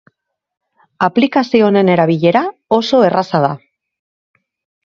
Aplikazio honen erabilera oso erraza da.